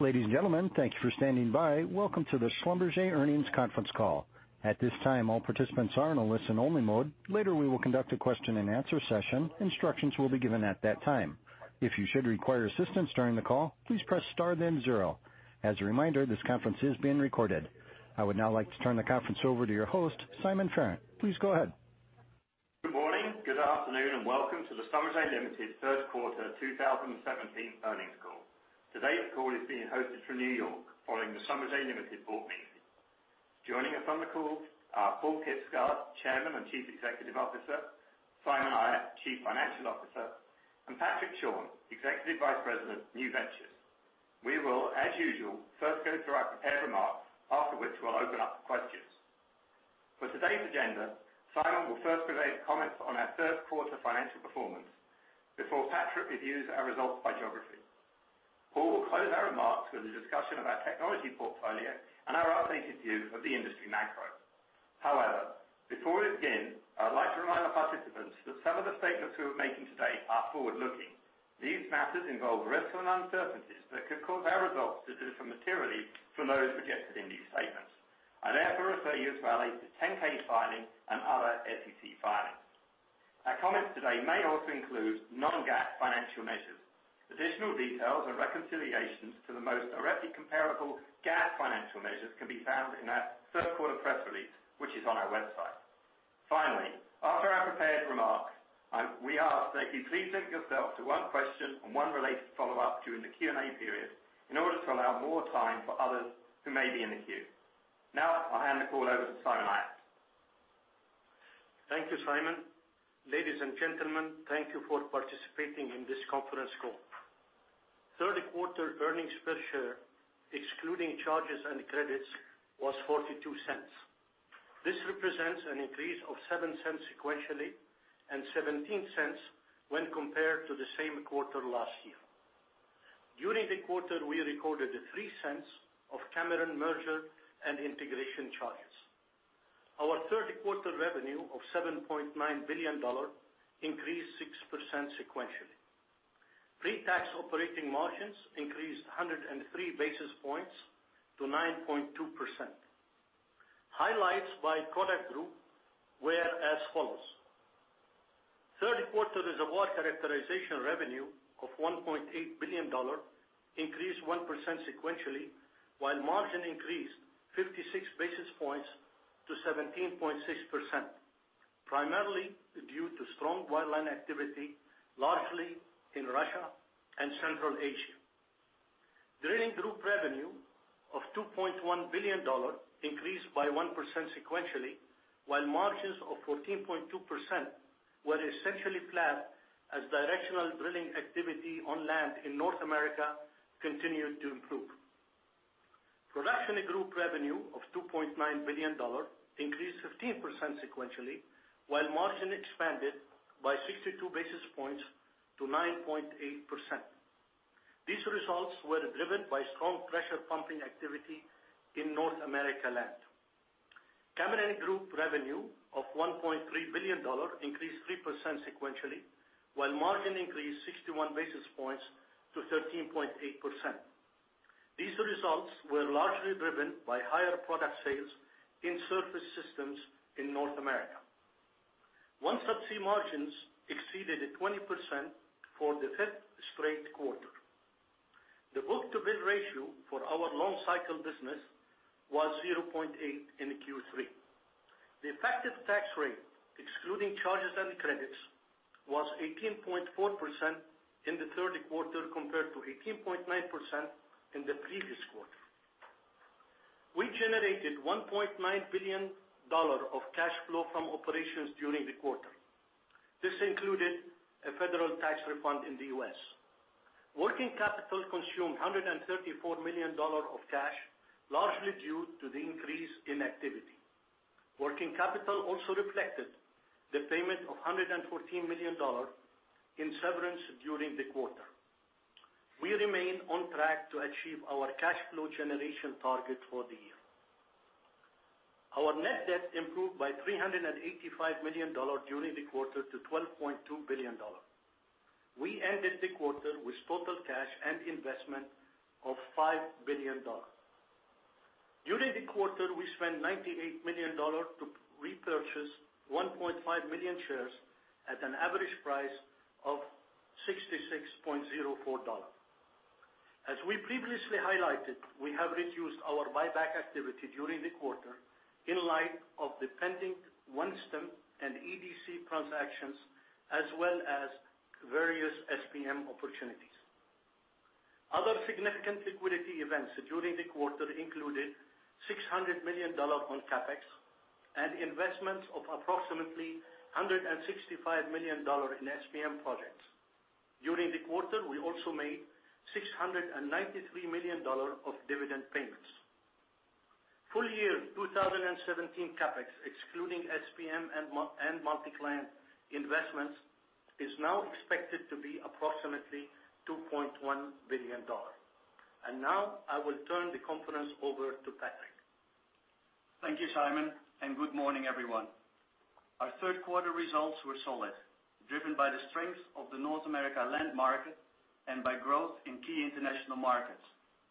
Ladies and gentlemen, thank you for standing by. Welcome to the Schlumberger Earnings Conference Call. At this time, all participants are in a listen-only mode. Later, we will conduct a question-and-answer session. Instructions will be given at that time. If you should require assistance during the call, please press star then zero. As a reminder, this conference is being recorded. I would now like to turn the conference over to your host, Simon Farrant. Please go ahead. Good morning, good afternoon, and welcome to the Schlumberger Limited Third Quarter 2017 earnings call. Today's call is being hosted from New York following the Schlumberger Limited board meeting. Joining us on the call are Paal Kibsgaard, Chairman and Chief Executive Officer, Simon Ayat, Chief Financial Officer, and Patrick Schorn, Executive Vice President, New Ventures. We will, as usual, first go through our prepared remarks, after which we will open up for questions. For today's agenda, Simon will first provide comments on our third quarter financial performance before Patrick reviews our results by geography. Paal will close our remarks with a discussion of our technology portfolio and our updated view of the industry macro. However, before we begin, I would like to remind our participants that some of the statements we are making today are forward-looking. These matters involve risks and uncertainties that could cause our results to differ materially from those suggested in these statements. I therefore refer you as well to the 10-K filing and other SEC filings. Our comments today may also include non-GAAP financial measures. Additional details and reconciliations to the most directly comparable GAAP financial measures can be found in our third quarter press release, which is on our website. Finally, after our prepared remarks, we ask that you please limit yourself to one question and one related follow-up during the Q&A period in order to allow more time for others who may be in the queue. Now, I will hand the call over to Simon Ayat. Thank you, Simon. Ladies and gentlemen, thank you for participating in this conference call. Third quarter earnings per share, excluding charges and credits, was $0.42. This represents an increase of $0.07 sequentially and $0.17 when compared to the same quarter last year. During the quarter, we recorded $0.03 of Cameron merger and integration charges. Our third quarter revenue of $7.9 billion increased 6% sequentially. Pre-tax operating margins increased 103 basis points to 9.2%. Highlights by product group were as follows. Third quarter reservoir characterization revenue of $1.8 billion increased 1% sequentially, while margin increased 56 basis points to 17.6%, primarily due to strong land activity, largely in Russia and Central Asia. Drilling group revenue of $2.1 billion increased by 1% sequentially, while margins of 14.2% were essentially flat as directional drilling activity on land in North America continued to improve. Production group revenue of $2.9 billion increased 15% sequentially, while margin expanded by 62 basis points to 9.8%. These results were driven by strong pressure pumping activity in North America land. Cameron group revenue of $1.3 billion increased 3% sequentially, while margin increased 61 basis points to 13.8%. These results were largely driven by higher product sales in surface systems in North America. OneSubsea margins exceeded 20% for the fifth straight quarter. The book-to-bill ratio for our long-cycle business was 0.8 in Q3. The effective tax rate, excluding charges and credits, was 18.4% in the third quarter compared to 18.9% in the previous quarter. We generated $1.9 billion of cash flow from operations during the quarter. This included a federal tax refund in the U.S. Working capital consumed $134 million of cash, largely due to the increase in activity. Working capital also reflected the payment of $114 million in severance during the quarter. We remain on track to achieve our cash flow generation target for the year. Our net debt improved by $385 million during the quarter to $12.2 billion. We ended the quarter with total cash and investment of $5 billion. During the quarter, we spent $98 million to repurchase 1.5 million shares at an average price of $66.04. As we previously highlighted, we have reduced our buyback activity during the quarter in light of the pending OneStim and EDC transactions, as well as various SPM opportunities. Other significant liquidity events during the quarter included $600 million on CapEx and investments of approximately $165 million in SPM projects. During the quarter, we also made $693 million of dividend payments. Full year 2017 CapEx, excluding SPM and multi-client investments, is now expected to be approximately $2.1 billion. Now I will turn the conference over to Patrick. Thank you, Simon, good morning, everyone. Our third quarter results were solid, driven by the strength of the North America land market and by growth in key international markets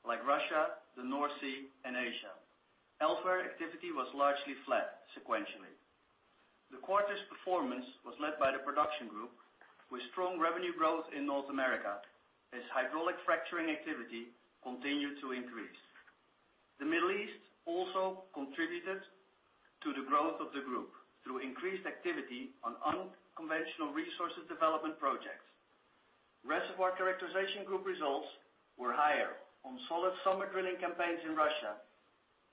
like Russia, the North Sea, and Asia. Elsewhere activity was largely flat sequentially. The quarter's performance was led by the production group with strong revenue growth in North America as hydraulic fracturing activity continued to increase. The Middle East also contributed to the growth of the group through increased activity on unconventional resources development projects. Reservoir characterization group results were higher on solid summer drilling campaigns in Russia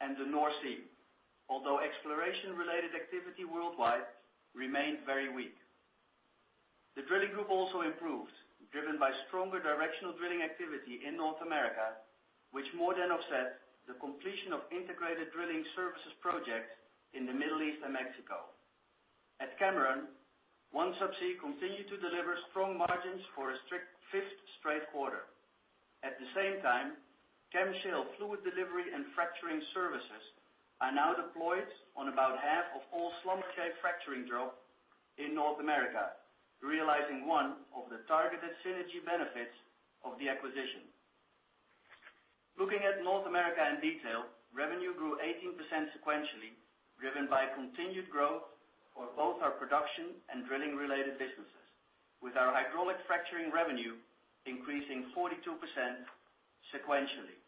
and the North Sea. Exploration-related activity worldwide remained very weak. The drilling group also improved, driven by stronger directional drilling activity in North America, which more than offset the completion of integrated drilling services projects in the Middle East and Mexico. At Cameron, OneSubsea continued to deliver strong margins for a 5th straight quarter. At the same time, CAMShale fluid delivery and fracturing services are now deployed on about half of all Schlumberger fracturing jobs in North America, realizing one of the targeted synergy benefits of the acquisition. Looking at North America in detail, revenue grew 18% sequentially, driven by continued growth for both our production and drilling related businesses. With our hydraulic fracturing revenue increasing 42% sequentially.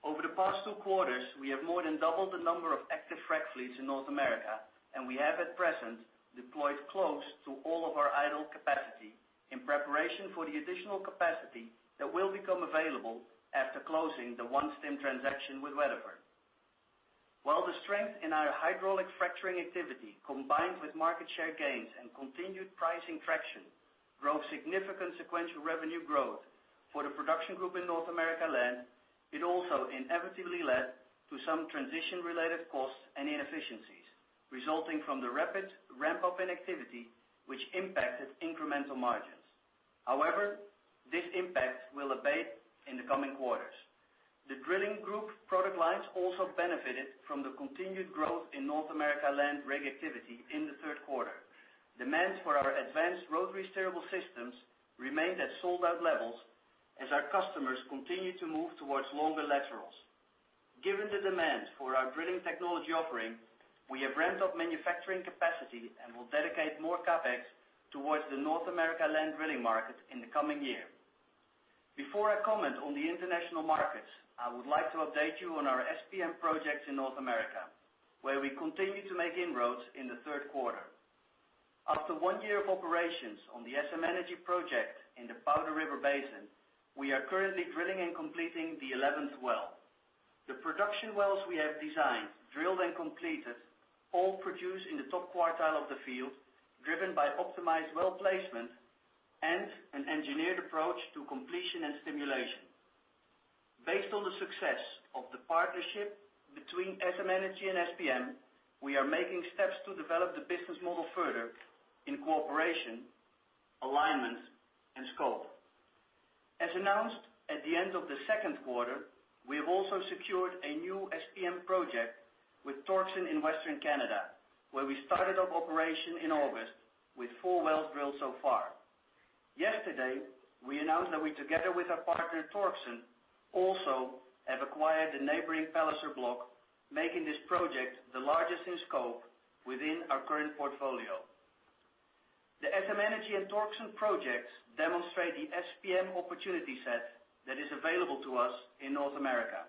Over the past two quarters, we have more than doubled the number of active frac fleets in North America, and we have at present deployed close to all of our idle capacity in preparation for the additional capacity that will become available after closing the OneStim transaction with Weatherford. The strength in our hydraulic fracturing activity, combined with market share gains and continued pricing traction, drove significant sequential revenue growth for the production group in North America land, it also inevitably led to some transition-related costs and inefficiencies resulting from the rapid ramp-up in activity, which impacted incremental margins. However, this impact will abate in the coming quarters. The drilling group product lines also benefited from the continued growth in North America land rig activity in the 3rd quarter. Demand for our advanced rotary steerable systems remained at sold-out levels as our customers continue to move towards longer laterals. Given the demand for our drilling technology offering, we have ramped up manufacturing capacity and will dedicate more CapEx towards the North America land drilling market in the coming year. Before I comment on the international markets, I would like to update you on our SPM projects in North America, where we continue to make inroads in the 3rd quarter. After one year of operations on the SM Energy project in the Powder River Basin, we are currently drilling and completing the 11th well. The production wells we have designed, drilled, and completed all produce in the top quartile of the field, driven by optimized well placement and an engineered approach to completion and stimulation. Based on the success of the partnership between SM Energy and SPM, we are making steps to develop the business model further in cooperation, alignment, and scope. As announced at the end of the second quarter, we have also secured a new SPM project with Torxen Energy in Western Canada, where we started up operation in August with four wells drilled so far. Yesterday, we announced that we, together with our partner Torxen Energy, also have acquired the neighboring Palliser Block, making this project the largest in scope within our current portfolio. The SM Energy and Torxen Energy projects demonstrate the SPM opportunity set that is available to us in North America.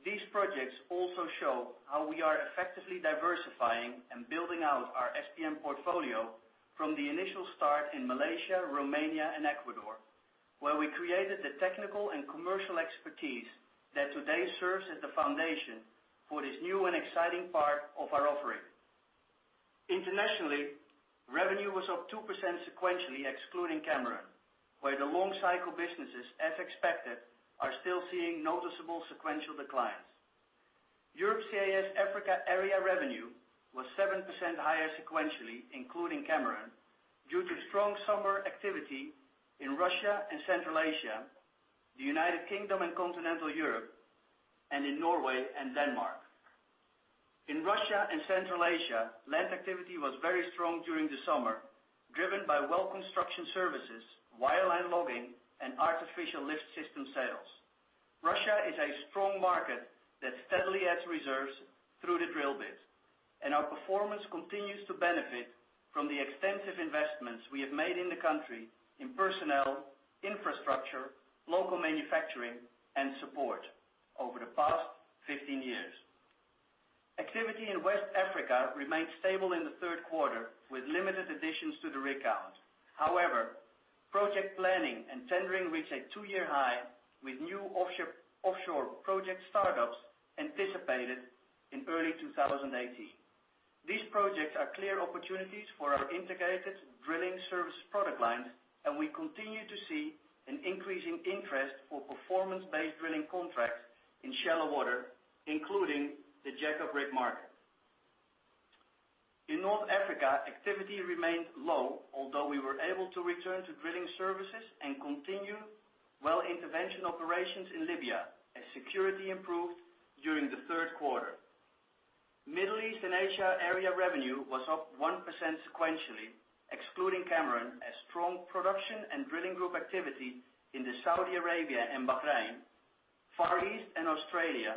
These projects also show how we are effectively diversifying and building out our SPM portfolio from the initial start in Malaysia, Romania, and Ecuador, where we created the technical and commercial expertise that today serves as the foundation for this new and exciting part of our offering. Internationally, revenue was up 2% sequentially, excluding Cameron, where the long cycle businesses, as expected, are still seeing noticeable sequential declines. Europe, CIS, Africa area revenue was 7% higher sequentially, including Cameron, due to strong summer activity in Russia and Central Asia, the United Kingdom and Continental Europe, and in Norway and Denmark. In Russia and Central Asia, land activity was very strong during the summer, driven by well construction services, wireline logging, and artificial lift system sales. Russia is a strong market that steadily adds reserves through the drill bit, and our performance continues to benefit from the extensive investments we have made in the country in personnel, infrastructure, local manufacturing, and support over the past 15 years. Activity in West Africa remained stable in the third quarter, with limited additions to the rig count. Project planning and tendering reached a two-year high, with new offshore project startups anticipated in early 2018. These projects are clear opportunities for our integrated drilling services product lines, and we continue to see an increasing interest for performance-based drilling contracts in shallow water, including the Borr Drilling market. In North Africa, activity remained low, although we were able to return to drilling services and continue well intervention operations in Libya as security improved during the third quarter. Middle East and Asia area revenue was up 1% sequentially, excluding Cameron, as strong production and drilling group activity in Saudi Arabia and Bahrain, Far East and Australia,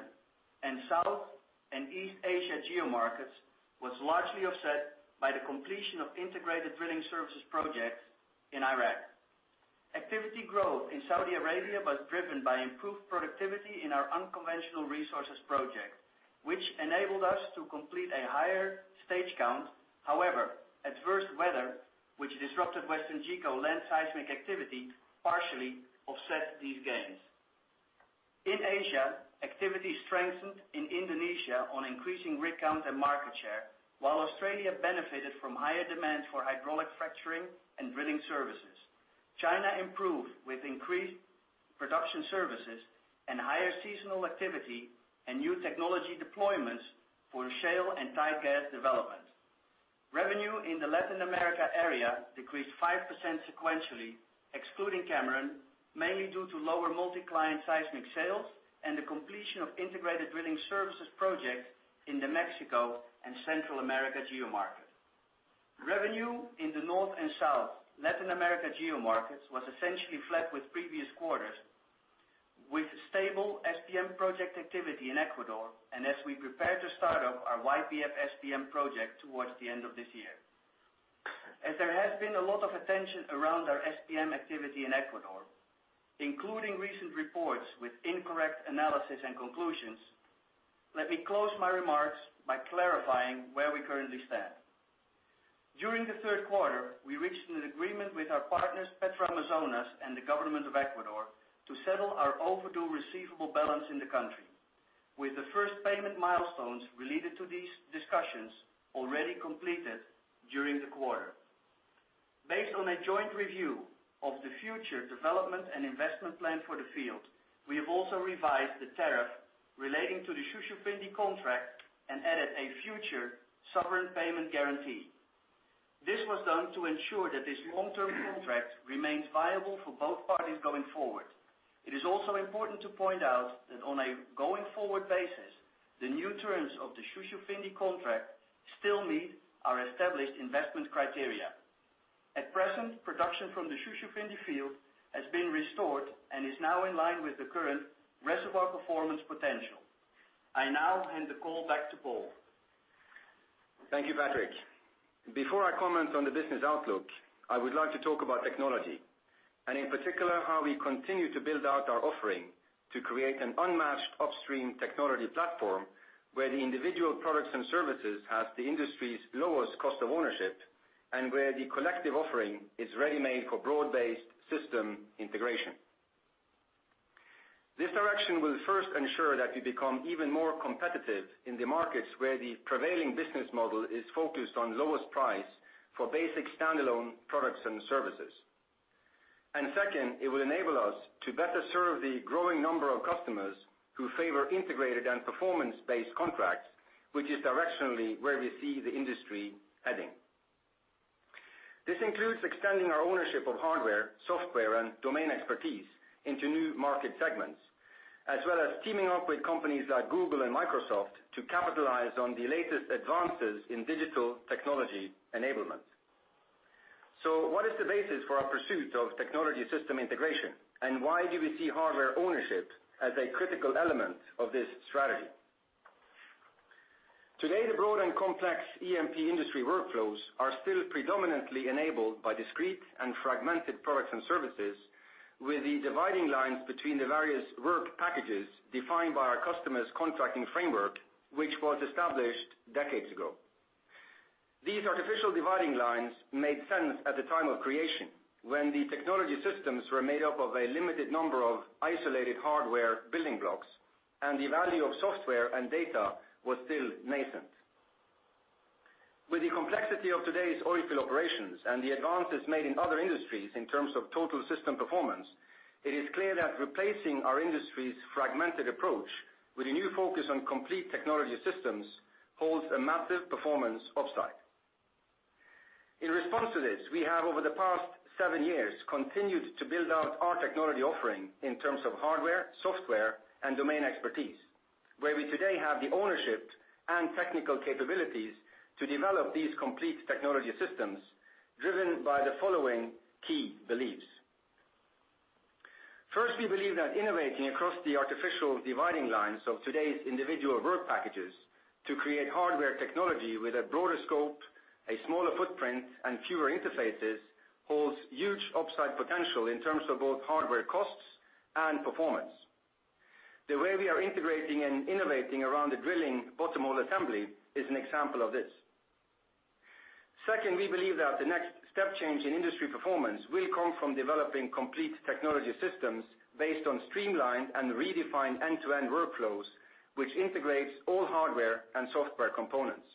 and South and East Asia geomarkets was largely offset by the completion of integrated drilling services projects in Iraq. Activity growth in Saudi Arabia was driven by improved productivity in our unconventional resources project, which enabled us to complete a higher stage count. Adverse weather, which disrupted WesternGeco land seismic activity, partially offset these gains. In Asia, activity strengthened in Indonesia on increasing rig count and market share, while Australia benefited from higher demand for hydraulic fracturing and drilling services. China improved with increased production services and higher seasonal activity and new technology deployments for shale and tight gas development. Revenue in the Latin America area decreased 5% sequentially, excluding Cameron, mainly due to lower multi-client seismic sales and the completion of integrated drilling services project in the Mexico and Central America geomarket. Revenue in the north and south Latin America geomarkets was essentially flat with previous quarters, with stable SPM project activity in Ecuador, and as we prepare to start up our YPF SPM project towards the end of this year. There has been a lot of attention around our SPM activity in Ecuador, including recent reports with incorrect analysis and conclusions, let me close my remarks by clarifying where we currently stand. During the third quarter, we reached an agreement with our partners, Petroamazonas, and the government of Ecuador to settle our overdue receivable balance in the country, with the first payment milestones related to these discussions already completed during the quarter. Based on a joint review of the future development and investment plan for the field, we have also revised the tariff relating to the Shushufindi contract and added a future sovereign payment guarantee. This was done to ensure that this long-term contract remains viable for both parties going forward. It is also important to point out that on a going-forward basis, the new terms of the Shushufindi contract still meet our established investment criteria. At present, production from the Shushufindi field has been restored and is now in line with the current reservoir performance potential. I now hand the call back to Paal. Thank you, Patrick. Before I comment on the business outlook, I would like to talk about technology, in particular, how we continue to build out our offering to create an unmatched upstream technology platform where the individual products and services have the industry's lowest cost of ownership, and where the collective offering is ready-made for broad-based system integration. This direction will first ensure that we become even more competitive in the markets where the prevailing business model is focused on lowest price for basic standalone products and services. Second, it will enable us to better serve the growing number of customers who favor integrated and performance-based contracts, which is directionally where we see the industry heading. This includes extending our ownership of hardware, software, and domain expertise into new market segments, as well as teaming up with companies like Google and Microsoft to capitalize on the latest advances in digital technology enablement. What is the basis for our pursuit of technology system integration, and why do we see hardware ownership as a critical element of this strategy? Today, the broad and complex E&P industry workflows are still predominantly enabled by discrete and fragmented products and services, with the dividing lines between the various work packages defined by our customers' contracting framework, which was established decades ago. These artificial dividing lines made sense at the time of creation, when the technology systems were made up of a limited number of isolated hardware building blocks, and the value of software and data was still nascent. With the complexity of today's oil field operations and the advances made in other industries in terms of total system performance, it is clear that replacing our industry's fragmented approach with a new focus on complete technology systems holds a massive performance upside. In response to this, we have over the past seven years continued to build out our technology offering in terms of hardware, software, and domain expertise, where we today have the ownership and technical capabilities to develop these complete technology systems driven by the following key beliefs. First, we believe that innovating across the artificial dividing lines of today's individual work packages to create hardware technology with a broader scope, a smaller footprint, and fewer interfaces holds huge upside potential in terms of both hardware costs and performance. The way we are integrating and innovating around the drilling bottom hole assembly is an example of this. Second, we believe that the next step change in industry performance will come from developing complete technology systems based on streamlined and redefined end-to-end workflows, which integrates all hardware and software components.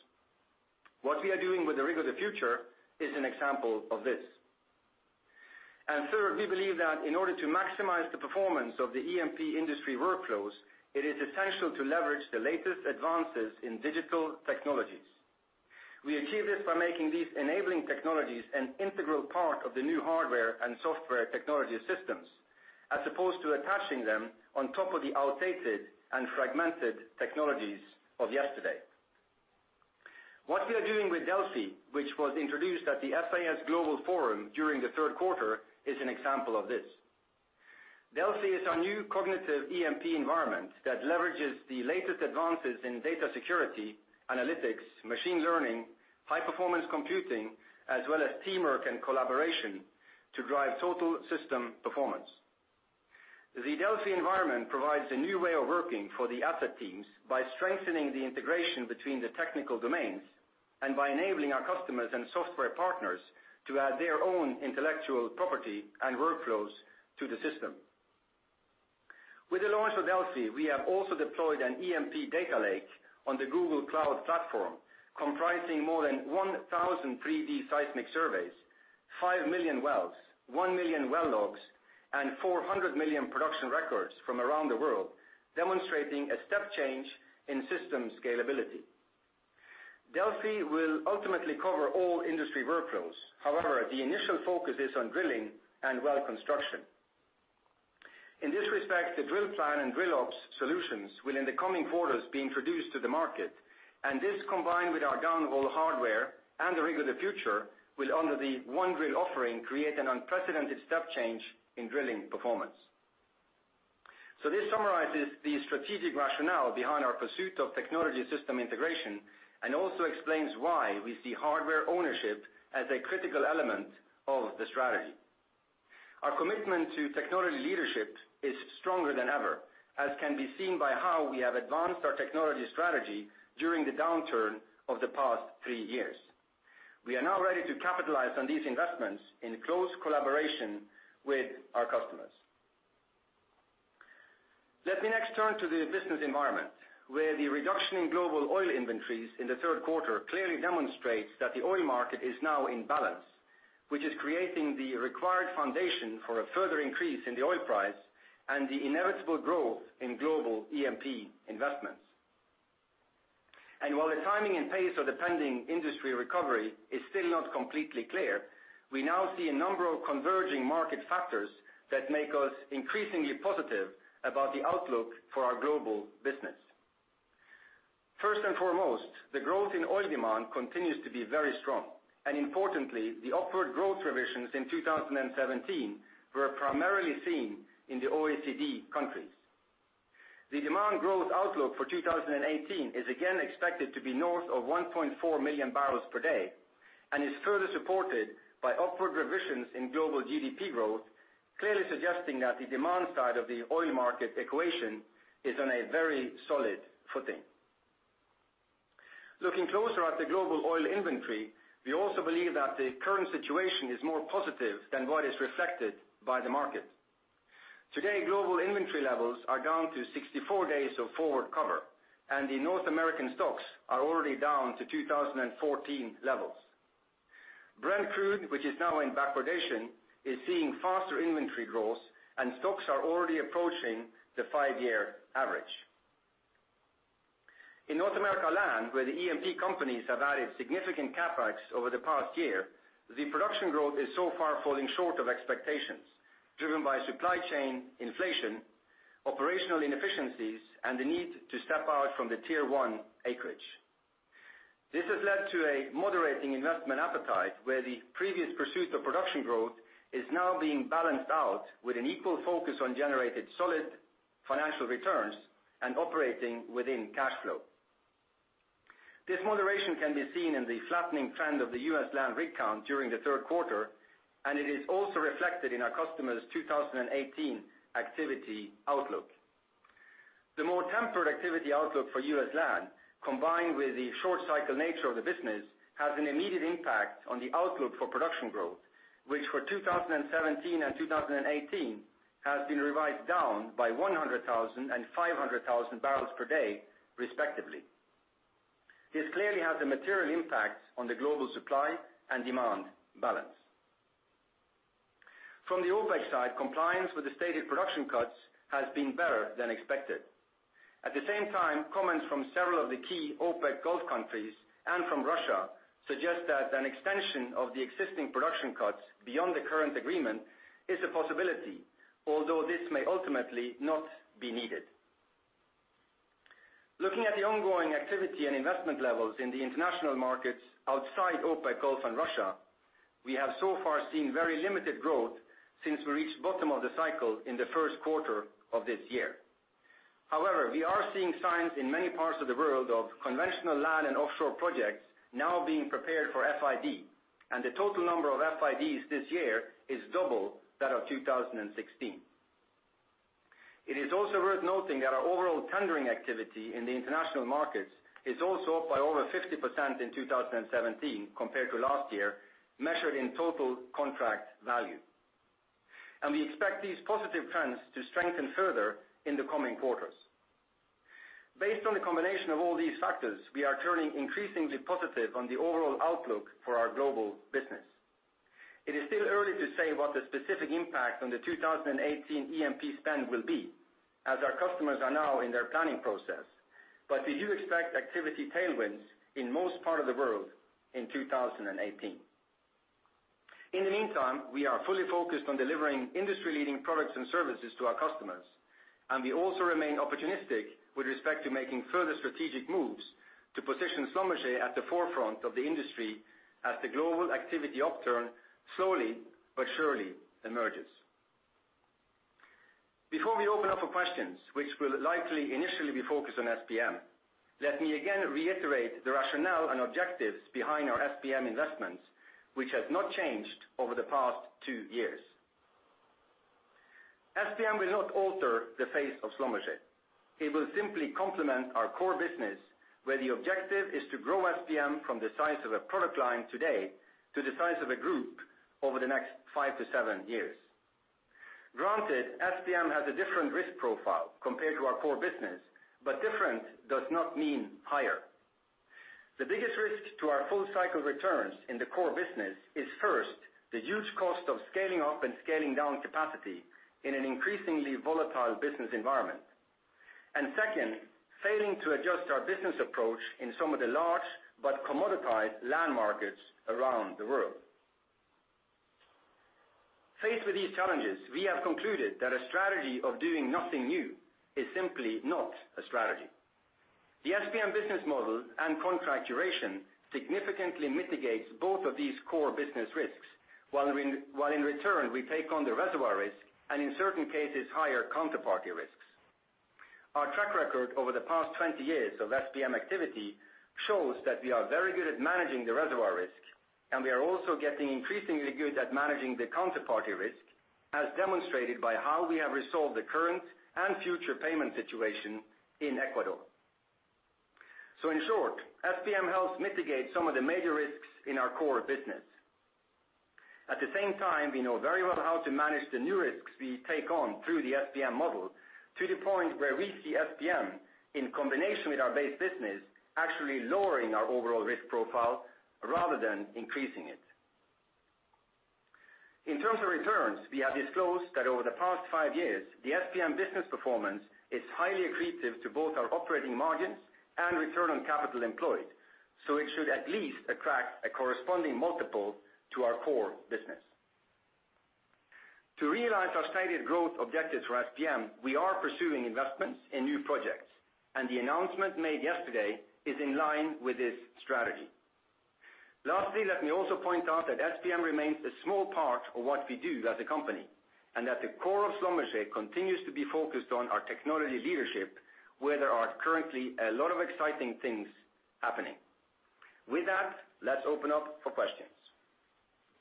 What we are doing with the Rig of the Future is an example of this. Third, we believe that in order to maximize the performance of the E&P industry workflows, it is essential to leverage the latest advances in digital technologies. We achieve this by making these enabling technologies an integral part of the new hardware and software technology systems, as opposed to attaching them on top of the outdated and fragmented technologies of yesterday. What we are doing with DELFI, which was introduced at the SIS Global Forum during the third quarter, is an example of this. DELFI is our new cognitive E&P environment that leverages the latest advances in data security, analytics, machine learning, high performance computing, as well as teamwork and collaboration to drive total system performance. The DELFI environment provides a new way of working for the asset teams by strengthening the integration between the technical domains and by enabling our customers and software partners to add their own intellectual property and workflows to the system. With the launch of DELFI, we have also deployed an E&P data lake on the Google Cloud platform, comprising more than 1,000 3D seismic surveys, 5 million wells, 1 million well logs, and 400 million production records from around the world, demonstrating a step change in system scalability. DELFI will ultimately cover all industry workflows. However, the initial focus is on drilling and well construction. In this respect, the DrillPlan and DrillOps solutions will in the coming quarters, be introduced to the market, and this combined with our downhole hardware and the Rig of the Future, will under the OneDrill offering, create an unprecedented step change in drilling performance. This summarizes the strategic rationale behind our pursuit of technology system integration and also explains why we see hardware ownership as a critical element of the strategy. Our commitment to technology leadership is stronger than ever, as can be seen by how we have advanced our technology strategy during the downturn of the past 3 years. We are now ready to capitalize on these investments in close collaboration with our customers. Let me next turn to the business environment, where the reduction in global oil inventories in the 3rd quarter clearly demonstrates that the oil market is now in balance. Which is creating the required foundation for a further increase in the oil price and the inevitable growth in global E&P investments. While the timing and pace of the pending industry recovery is still not completely clear, we now see a number of converging market factors that make us increasingly positive about the outlook for our global business. First and foremost, the growth in oil demand continues to be very strong. Importantly, the upward growth revisions in 2017 were primarily seen in the OECD countries. The demand growth outlook for 2018 is again expected to be north of 1.4 million barrels per day and is further supported by upward revisions in global GDP growth, clearly suggesting that the demand side of the oil market equation is on a very solid footing. Looking closer at the global oil inventory, we also believe that the current situation is more positive than what is reflected by the market. Today, global inventory levels are down to 64 days of forward cover, and the North American stocks are already down to 2014 levels. Brent crude, which is now in backwardation, is seeing faster inventory growth, and stocks are already approaching the 5-year average. In North America land, where the E&P companies have added significant CapEx over the past year, the production growth is so far falling short of expectations, driven by supply chain inflation, operational inefficiencies, and the need to step out from the Tier 1 acreage. This has led to a moderating investment appetite, where the previous pursuit of production growth is now being balanced out with an equal focus on generated solid financial returns and operating within cash flow. This moderation can be seen in the flattening trend of the U.S. land rig count during the third quarter. It is also reflected in our customers' 2018 activity outlook. The more tempered activity outlook for U.S. land, combined with the short cycle nature of the business, has an immediate impact on the outlook for production growth, which for 2017 and 2018 has been revised down by 100,000 and 500,000 barrels per day respectively. This clearly has a material impact on the global supply and demand balance. From the OPEC side, compliance with the stated production cuts has been better than expected. Comments from several of the key OPEC Gulf countries and from Russia suggest that an extension of the existing production cuts beyond the current agreement is a possibility, although this may ultimately not be needed. Looking at the ongoing activity and investment levels in the international markets outside OPEC, Gulf, and Russia, we have so far seen very limited growth since we reached bottom of the cycle in the first quarter of this year. However, we are seeing signs in many parts of the world of conventional land and offshore projects now being prepared for FID, and the total number of FIDs this year is double that of 2016. It is also worth noting that our overall tendering activity in the international markets is also up by over 50% in 2017 compared to last year, measured in total contract value. We expect these positive trends to strengthen further in the coming quarters. Based on the combination of all these factors, we are turning increasingly positive on the overall outlook for our global business. It is still early to say what the specific impact on the 2018 E&P spend will be, as our customers are now in their planning process. We do expect activity tailwinds in most part of the world in 2018. In the meantime, we are fully focused on delivering industry-leading products and services to our customers, and we also remain opportunistic with respect to making further strategic moves to position Schlumberger at the forefront of the industry as the global activity upturn slowly but surely emerges. Before we open up for questions, which will likely initially be focused on SPM, let me again reiterate the rationale and objectives behind our SPM investments, which has not changed over the past two years. SPM will not alter the face of Schlumberger. It will simply complement our core business, where the objective is to grow SPM from the size of a product line today to the size of a group over the next five to seven years. Granted, SPM has a different risk profile compared to our core business, but different does not mean higher. The biggest risk to our full-cycle returns in the core business is, first, the huge cost of scaling up and scaling down capacity in an increasingly volatile business environment. Second, failing to adjust our business approach in some of the large but commoditized land markets around the world. Faced with these challenges, we have concluded that a strategy of doing nothing new is simply not a strategy. The SPM business model and contract duration significantly mitigates both of these core business risks, while in return, we take on the reservoir risk and, in certain cases, higher counterparty risks. Our track record over the past 20 years of SPM activity shows that we are very good at managing the reservoir risk, and we are also getting increasingly good at managing the counterparty risk, as demonstrated by how we have resolved the current and future payment situation in Ecuador. In short, SPM helps mitigate some of the major risks in our core business. At the same time, we know very well how to manage the new risks we take on through the SPM model to the point where we see SPM, in combination with our base business, actually lowering our overall risk profile rather than increasing it. In terms of returns, we have disclosed that over the past five years, the SPM business performance is highly accretive to both our operating margins and return on capital employed. It should at least attract a corresponding multiple to our core business. To realize our stated growth objective for SPM, we are pursuing investments in new projects. The announcement made yesterday is in line with this strategy. Lastly, let me also point out that SPM remains a small part of what we do as a company, and that the core of Schlumberger continues to be focused on our technology leadership, where there are currently a lot of exciting things happening. With that, let's open up for questions.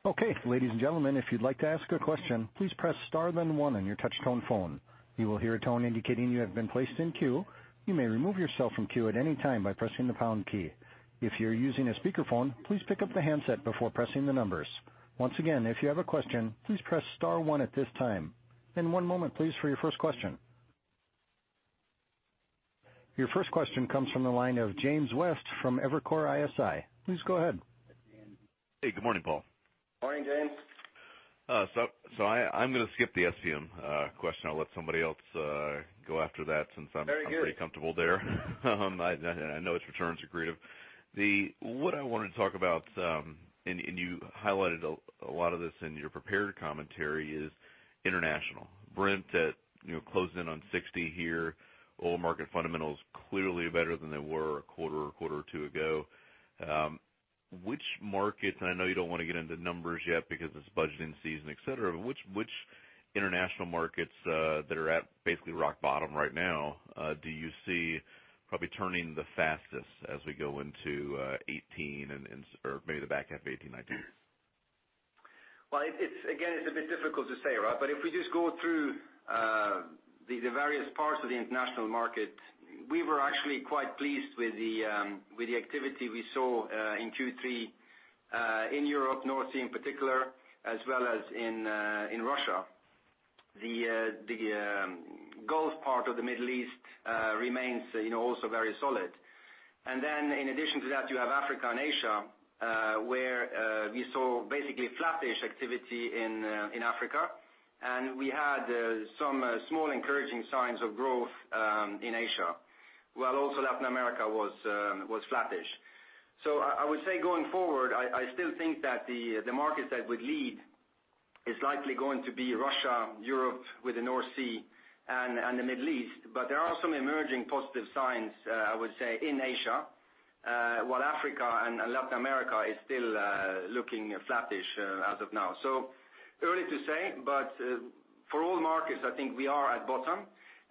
Okay. Ladies and gentlemen, if you'd like to ask a question, please press star then one on your touchtone phone. You will hear a tone indicating you have been placed in queue. You may remove yourself from queue at any time by pressing the pound key. If you're using a speakerphone, please pick up the handset before pressing the numbers. Once again, if you have a question, please press star one at this time. One moment please, for your first question. Your first question comes from the line of James West from Evercore ISI. Please go ahead. Hey, good morning, Paal. Morning, James. I'm going to skip the SPM question. I'll let somebody else go after that since I'm Very good. pretty comfortable there. I know its returns are creative. What I wanted to talk about, and you highlighted a lot of this in your prepared commentary, is international. Brent at closing in on $60 here. Oil market fundamentals clearly better than they were a quarter or two ago. Which markets, and I know you don't want to get into numbers yet because it's budgeting season, et cetera, but which international markets that are at basically rock bottom right now do you see probably turning the fastest as we go into 2018 or maybe the back half of 2018, 2019? Well, again, it's a bit difficult to say, right? If we just go through the various parts of the international market, we were actually quite pleased with the activity we saw in Q3 in Europe, North Sea in particular, as well as in Russia. The Gulf part of the Middle East remains also very solid. In addition to that, you have Africa and Asia, where we saw basically flattish activity in Africa, and we had some small encouraging signs of growth in Asia, while also Latin America was flattish. I would say going forward, I still think that the market that would lead is likely going to be Russia, Europe with the North Sea, and the Middle East. But there are some emerging positive signs, I would say, in Asia, while Africa and Latin America is still looking flattish as of now. Early to say, but for all markets, I think we are at bottom.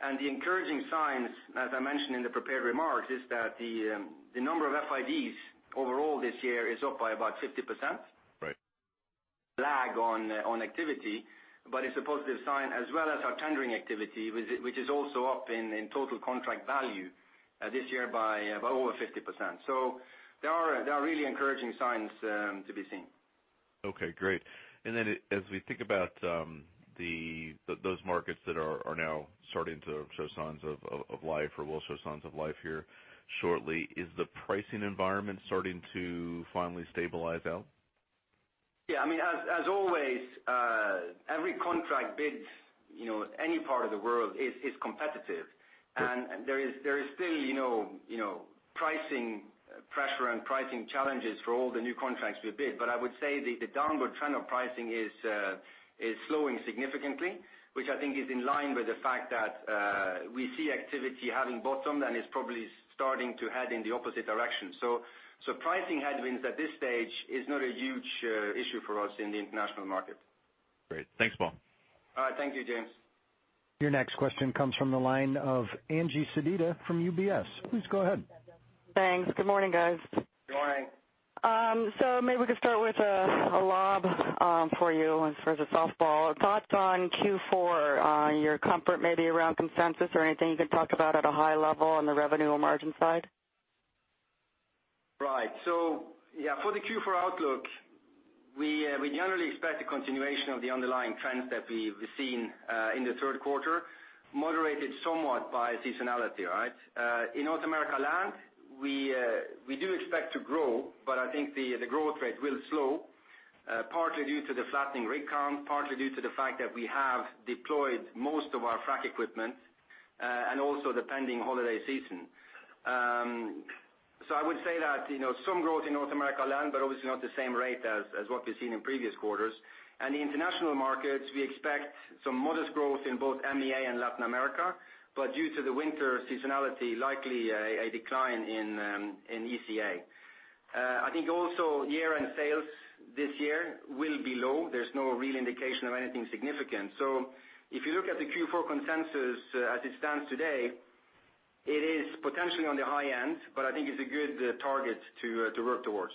The encouraging signs, as I mentioned in the prepared remarks, is that the number of FIDs overall this year is up by about 50%. Right. Lag on activity, but it's a positive sign as well as our tendering activity, which is also up in total contract value this year by over 50%. There are really encouraging signs to be seen. Okay, great. As we think about those markets that are now starting to show signs of life or will show signs of life here shortly, is the pricing environment starting to finally stabilize out? Yeah. As always, every contract bid, any part of the world is competitive. There is still pricing pressure and pricing challenges for all the new contracts we bid. I would say the downward trend of pricing is slowing significantly, which I think is in line with the fact that we see activity having bottomed and is probably starting to head in the opposite direction. Pricing headwinds at this stage is not a huge issue for us in the international market. Great. Thanks, Paal. All right. Thank you, James. Your next question comes from the line of Angeline Sedita from UBS. Please go ahead. Thanks. Good morning, guys. Good morning. Maybe we could start with a lob for you as far as a softball. Thoughts on Q4, your comfort maybe around consensus or anything you can talk about at a high level on the revenue or margin side? Right. Yeah, for the Q4 outlook, we generally expect a continuation of the underlying trends that we've seen in the third quarter, moderated somewhat by seasonality, right? In North America land, we do expect to grow, but I think the growth rate will slow, partly due to the flattening rig count, partly due to the fact that we have deployed most of our frac equipment, and also the pending holiday season. I would say that some growth in North America land, but obviously not the same rate as what we've seen in previous quarters. The international markets, we expect some modest growth in both MEA and Latin America. Due to the winter seasonality, likely a decline in ECA. I think also year-end sales this year will be low. There's no real indication of anything significant. If you look at the Q4 consensus as it stands today, it is potentially on the high end, but I think it's a good target to work towards.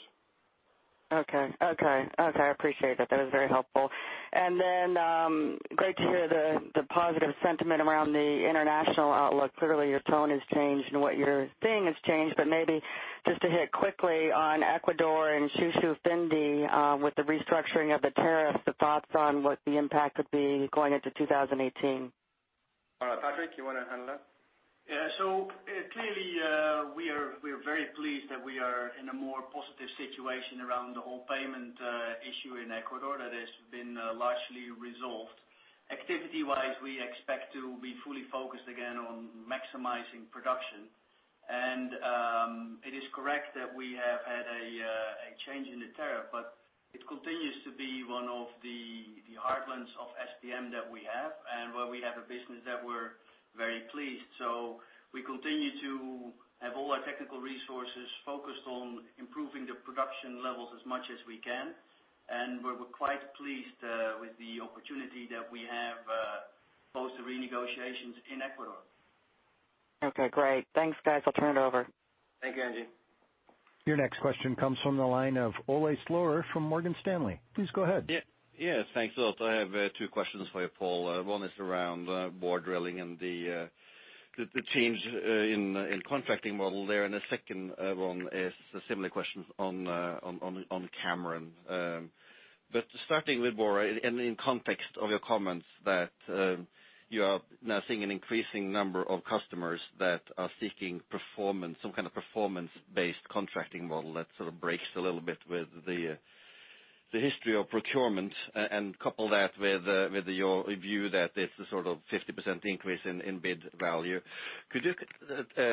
Okay. I appreciate that. That was very helpful. Great to hear the positive sentiment around the international outlook. Clearly, your tone has changed and what you're seeing has changed, but maybe just to hit quickly on Ecuador and Shushufindi, with the restructuring of the tariff, the thoughts on what the impact would be going into 2018. Patrick, you want to handle that? Yeah. Clearly, we are very pleased that we are in a more positive situation around the whole payment issue in Ecuador that has been largely resolved. Activity-wise, we expect to be fully focused again on maximizing production. It is correct that we have had a change in the tariff, but it continues to be one of the heartlands of SPM that we have and where we have a business that we're very pleased. We continue to have all our technical resources focused on improving the production levels as much as we can, and we're quite pleased with the opportunity that we have post the renegotiations in Ecuador. Okay, great. Thanks, guys. I'll turn it over. Thank you, Angie. Your next question comes from the line of Ole Slorer from Morgan Stanley. Please go ahead. Yeah. Thanks a lot. I have two questions for you, Paal. One is around Borr Drilling and the teams in contracting model there, and the second one is a similar question on Cameron. Starting with Borr, in context of your comments that you are now seeing an increasing number of customers that are seeking some kind of performance-based contracting model that sort of breaks a little bit with the history of procurement. Couple that with your view that it's a sort of 50% increase in bid value. Could you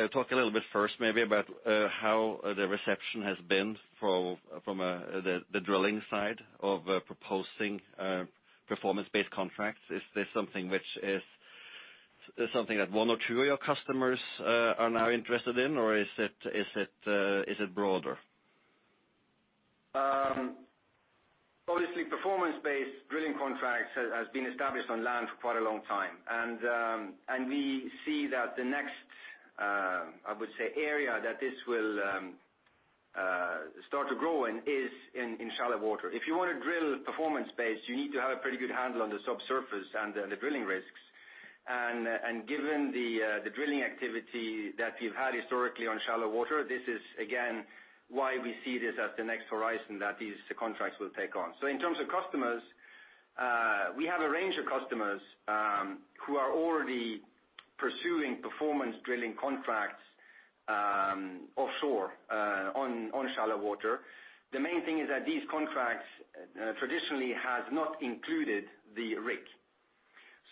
talk a little bit first maybe about how the reception has been from the drilling side of proposing performance-based contracts? Is this something that one or two of your customers are now interested in, or is it broader? performance-based drilling contracts has been established on land for quite a long time. We see that the next, I would say, area that this will start to grow in is in shallow water. If you want to drill performance-based, you need to have a pretty good handle on the subsurface and the drilling risks. Given the drilling activity that we've had historically on shallow water, this is, again, why we see this as the next horizon that these contracts will take on. In terms of customers, we have a range of customers who are already pursuing performance drilling contracts offshore on shallow water. The main thing is that these contracts traditionally has not included the rig.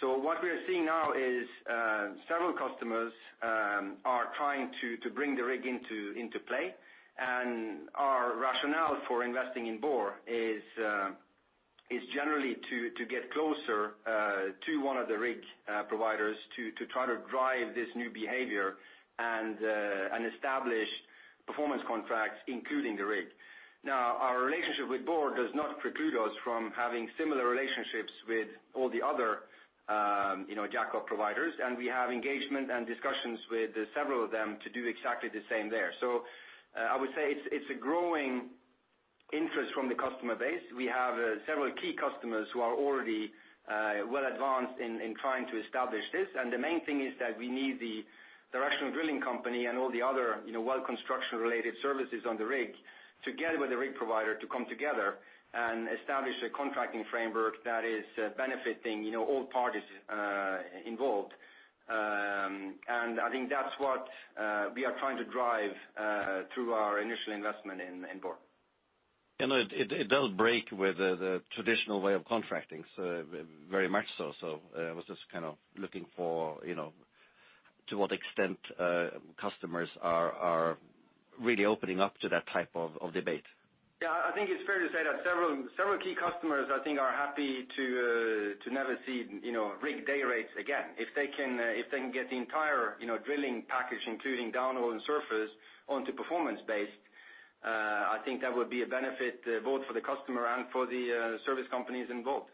What we are seeing now is several customers are trying to bring the rig into play, and our rationale for investing in Borr is generally to get closer to one of the rig providers to try to drive this new behavior and establish performance contracts, including the rig. Now, our relationship with Borr does not preclude us from having similar relationships with all the other jack-up providers, and we have engagement and discussions with several of them to do exactly the same there. I would say it's a growing interest from the customer base. We have several key customers who are already well advanced in trying to establish this. The main thing is that we need the directional drilling company and all the other well construction related services on the rig, together with the rig provider, to come together and establish a contracting framework that is benefiting all parties involved. I think that's what we are trying to drive through our initial investment in Borr. It does break with the traditional way of contracting, very much so. I was just looking for to what extent customers are really opening up to that type of debate. Yeah. I think it's fair to say that several key customers, I think, are happy to never see rig day rates again. If they can get the entire drilling package, including downhole and surface, onto performance-based, I think that would be a benefit both for the customer and for the service companies involved.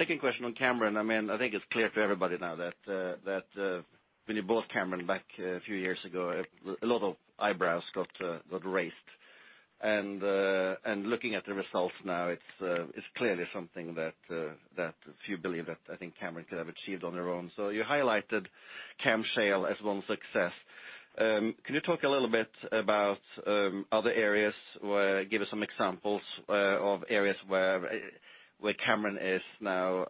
Second question on Cameron. I think it's clear to everybody now that when you bought Cameron back a few years ago, a lot of eyebrows got raised. Looking at the results now, it's clearly something that few believe that I think Cameron could have achieved on their own. You highlighted CAMShale as one success. Can you talk a little bit about other areas, give us some examples of areas where Cameron is now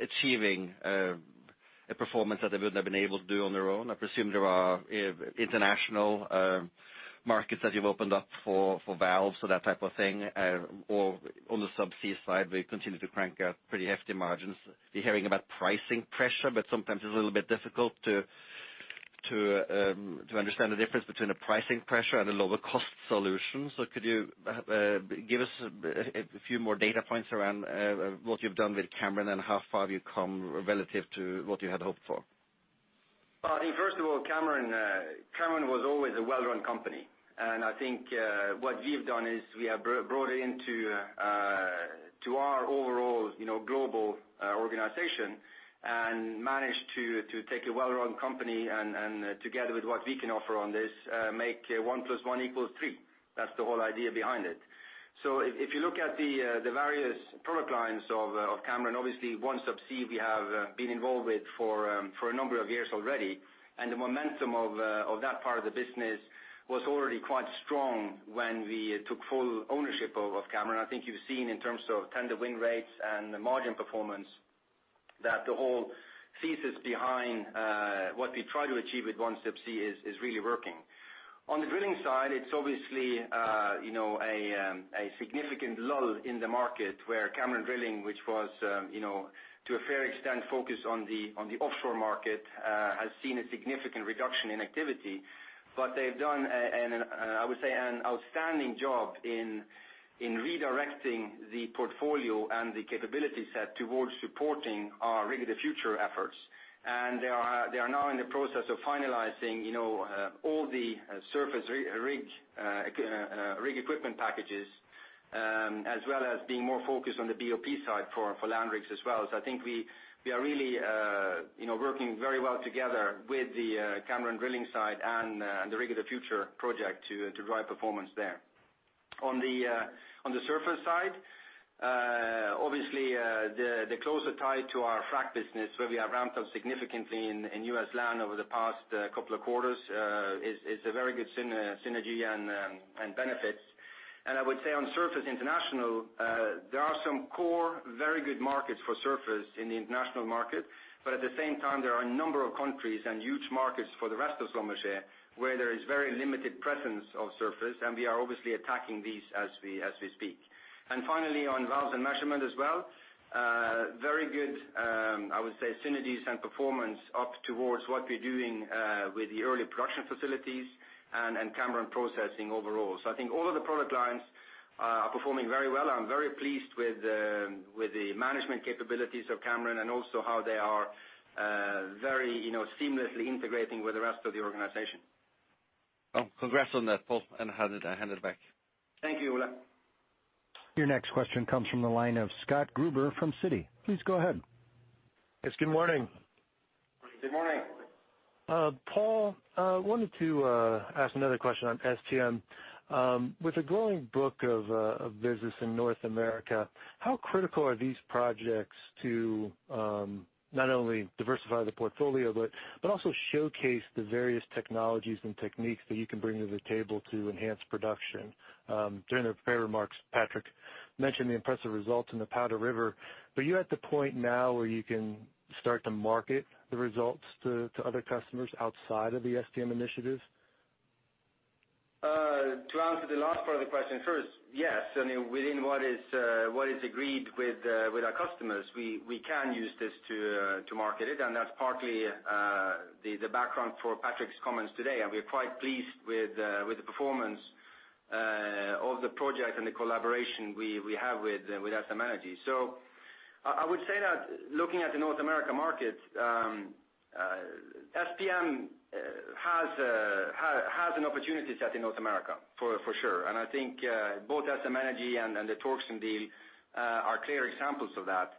achieving a performance that they wouldn't have been able to do on their own? I presume there are international markets that you've opened up for valves or that type of thing. On the subsea side, where you continue to crank out pretty hefty margins. We're hearing about pricing pressure, but sometimes it's a little bit difficult to understand the difference between a pricing pressure and a lower cost solution. Could you give us a few more data points around what you've done with Cameron and how far you've come relative to what you had hoped for? I think first of all, Cameron was always a well-run company. I think what we have done is we have brought it into our overall global organization and managed to take a well-run company and together with what we can offer on this, make one plus one equals three. That's the whole idea behind it. If you look at the various product lines of Cameron, obviously OneSubsea we have been involved with for a number of years already. The momentum of that part of the business was already quite strong when we took full ownership of Cameron. I think you've seen in terms of tender win rates and the margin performance, that the whole thesis behind what we try to achieve with OneSubsea is really working. On the drilling side, it's obviously a significant lull in the market where Cameron Drilling, which was to a fair extent, focused on the offshore market, has seen a significant reduction in activity. They've done, I would say, an outstanding job in redirecting the portfolio and the capability set towards supporting our Rig of the Future efforts. They are now in the process of finalizing all the surface rig equipment packages, as well as being more focused on the BOP side for land rigs as well. I think we are really working very well together with the Cameron Drilling side and the Rig of the Future project to drive performance there. On the surface side, obviously, the closer tie to our frac business, where we have ramped up significantly in U.S. land over the past couple of quarters, it's a very good synergy and benefits. I would say on surface international, there are some core, very good markets for surface in the international market. At the same time, there are a number of countries and huge markets for the rest of Schlumberger, where there is very limited presence of surface, and we are obviously attacking these as we speak. Finally, on valves and measurement as well, very good, I would say, synergies and performance up towards what we're doing with the early production facilities and Cameron Processing overall. I think all of the product lines are performing very well. I'm very pleased with the management capabilities of Cameron and also how they are very seamlessly integrating with the rest of the organization. Well, congrats on that, Pål, hand it back. Thank you, Ole. Your next question comes from the line of Scott Gruber from Citi. Please go ahead. Yes, good morning. Good morning. Pål, I wanted to ask another question on SPM. With a growing book of business in North America, how critical are these projects to not only diversify the portfolio but also showcase the various technologies and techniques that you can bring to the table to enhance production? During the prepared remarks, Patrick mentioned the impressive results in the Powder River. Are you at the point now where you can start to market the results to other customers outside of the SPM initiatives? To answer the last part of the question first, yes. Within what is agreed with our customers, we can use this to market it, and that's partly the background for Patrick's comments today, and we are quite pleased with the performance of the project and the collaboration we have with SM Energy. I would say that looking at the North America market, SPM has an opportunity set in North America, for sure. I think both SM Energy and the Torxen deal are clear examples of that.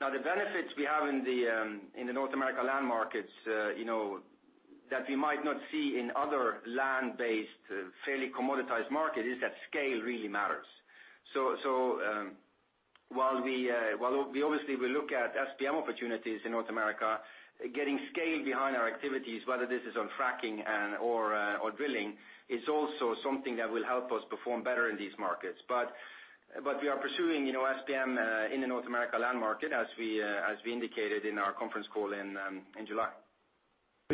The benefits we have in the North America land markets. That we might not see in other land-based, fairly commoditized market, is that scale really matters. While obviously we look at SPM opportunities in North America, getting scale behind our activities, whether this is on fracking or drilling, is also something that will help us perform better in these markets. We are pursuing SPM in the North America land market as we indicated in our conference call in July.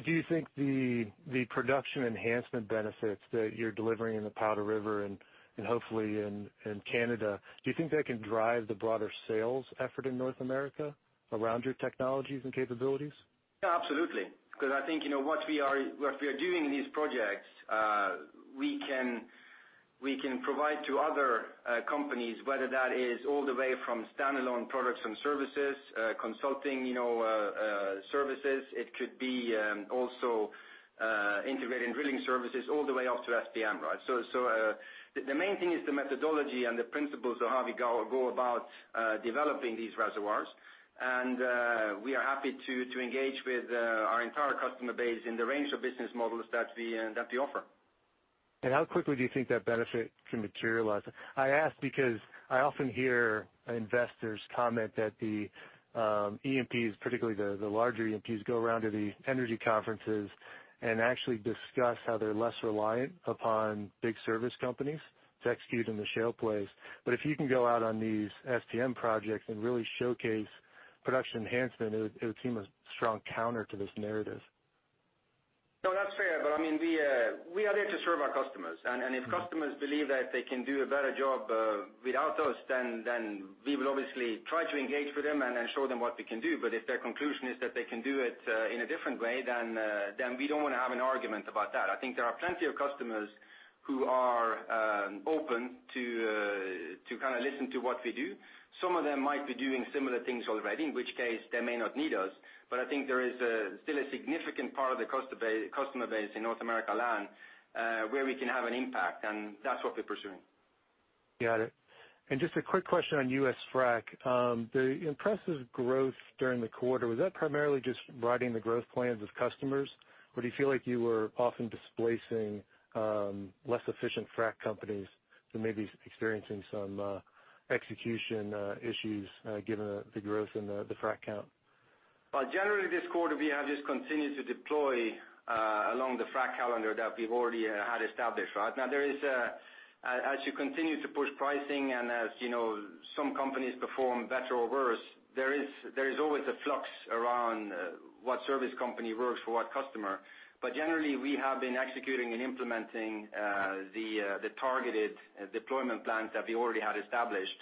Do you think the production enhancement benefits that you're delivering in the Powder River, and hopefully in Canada, do you think that can drive the broader sales effort in North America around your technologies and capabilities? Absolutely. I think what we are doing in these projects, we can provide to other companies, whether that is all the way from standalone products and services, consulting services. It could be also integrated drilling services all the way up to SPM. The main thing is the methodology and the principles of how we go about developing these reservoirs. We are happy to engage with our entire customer base in the range of business models that we offer. How quickly do you think that benefit can materialize? I ask because I often hear investors comment that the E&Ps, particularly the larger E&Ps, go around to the energy conferences and actually discuss how they're less reliant upon big service companies to execute in the shale plays. If you can go out on these SPM projects and really showcase production enhancement, it would seem a strong counter to this narrative. No, that's fair. We are there to serve our customers. If customers believe that they can do a better job without us, we will obviously try to engage with them and show them what we can do. If their conclusion is that they can do it in a different way, we don't want to have an argument about that. I think there are plenty of customers who are open to listen to what we do. Some of them might be doing similar things already, in which case they may not need us. I think there is still a significant part of the customer base in North America land where we can have an impact, and that's what we're pursuing. Got it. Just a quick question on U.S. Frac. The impressive growth during the quarter, was that primarily just riding the growth plans of customers? Or do you feel like you were often displacing less efficient frac companies who may be experiencing some execution issues given the growth in the frac count? Generally this quarter, we have just continued to deploy along the frac calendar that we've already had established. Now, as you continue to push pricing and as some companies perform better or worse, there is always a flux around what service company works for what customer. Generally, we have been executing and implementing the targeted deployment plans that we already had established.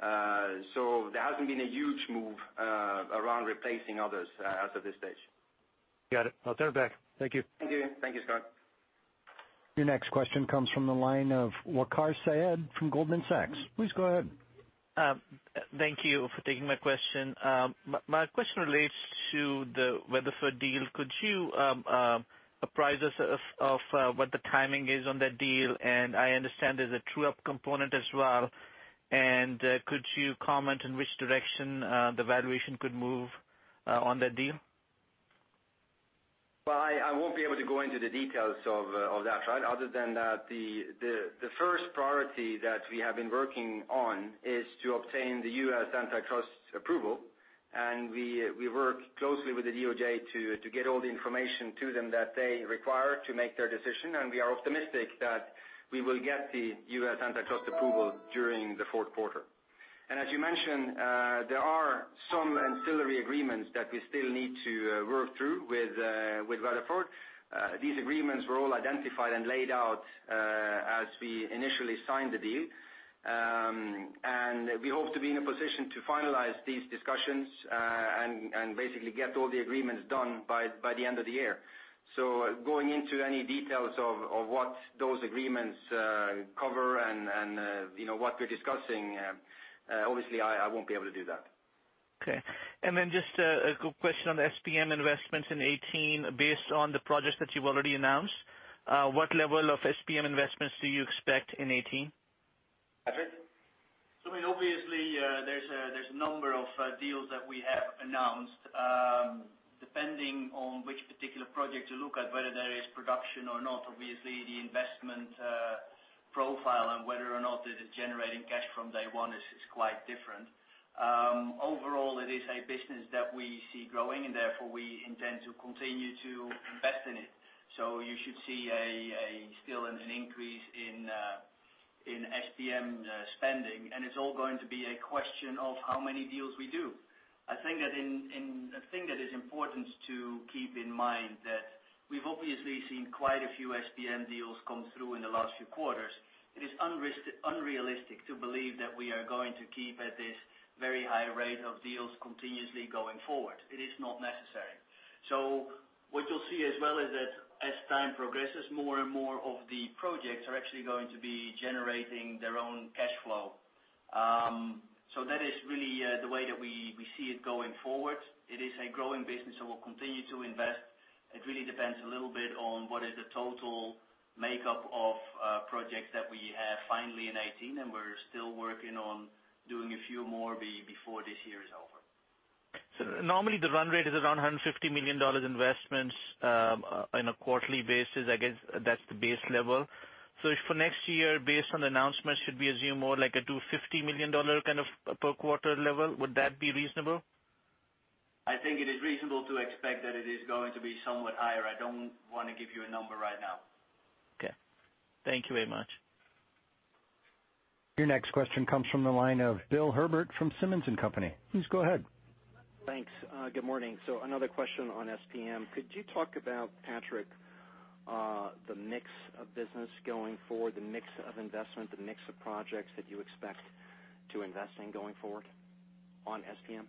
There hasn't been a huge move around replacing others at this stage. Got it. I'll turn it back. Thank you. Thank you. Thank you, Scott. Your next question comes from the line of Waqar Syed from Goldman Sachs. Please go ahead. Thank you for taking my question. My question relates to the Weatherford deal. Could you apprise us of what the timing is on that deal? I understand there's a true-up component as well, and could you comment on which direction the valuation could move on that deal? Well, I won't be able to go into the details of that trial other than that the first priority that we have been working on is to obtain the U.S. antitrust approval. We work closely with the DOJ to get all the information to them that they require to make their decision. We are optimistic that we will get the U.S. antitrust approval during the fourth quarter. As you mentioned, there are some ancillary agreements that we still need to work through with Weatherford. These agreements were all identified and laid out as we initially signed the deal. We hope to be in a position to finalize these discussions, and basically get all the agreements done by the end of the year. Going into any details of what those agreements cover and what we're discussing, obviously I won't be able to do that. Okay. Just a quick question on the SPM investments in 2018. Based on the projects that you've already announced, what level of SPM investments do you expect in 2018? Patrick? Obviously, there's a number of deals that we have announced. Depending on which particular project you look at, whether there is production or not, obviously the investment profile and whether or not it is generating cash from day one is quite different. Overall, it is a business that we see growing, and therefore we intend to continue to invest in it. You should see still an increase in SPM spending, and it's all going to be a question of how many deals we do. A thing that is important to keep in mind that we've obviously seen quite a few SPM deals come through in the last few quarters. It is unrealistic to believe that we are going to keep at this very high rate of deals continuously going forward. It is not necessary. What you'll see as well is that as time progresses, more and more of the projects are actually going to be generating their own cash flow. That is really the way that we see it going forward. It is a growing business, so we'll continue to invest. It really depends a little bit. What is the total makeup of projects that we have finally in 2018, and we're still working on doing a few more before this year is over. Normally the run rate is around $150 million investments on a quarterly basis. I guess that's the base level. For next year, based on the announcement, should we assume more like a $250 million kind of per quarter level? Would that be reasonable? I think it is reasonable to expect that it is going to be somewhat higher. I don't want to give you a number right now. Okay. Thank you very much. Your next question comes from the line of Bill Herbert from Simmons & Company. Please go ahead. Thanks. Good morning. Another question on SPM. Could you talk about, Patrick, the mix of business going forward, the mix of investment, the mix of projects that you expect to invest in going forward on SPM?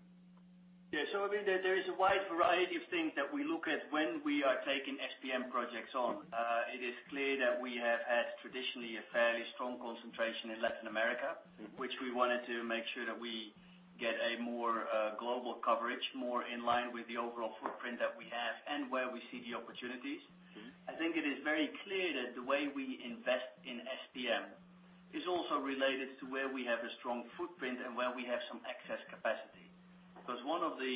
Yeah. I mean, there is a wide variety of things that we look at when we are taking SPM projects on. It is clear that we have had traditionally a fairly strong concentration in Latin America, which we wanted to make sure that we get a more global coverage, more in line with the overall footprint that we have and where we see the opportunities. I think it is very clear that the way we invest in SPM is also related to where we have a strong footprint and where we have some excess capacity. Because one of the